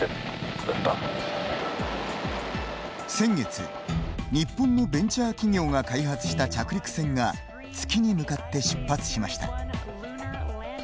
先月、日本のベンチャー企業が開発した着陸船が月に向かって出発しました。